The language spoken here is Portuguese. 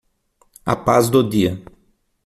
A paz do dia